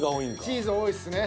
チーズ多いっすね。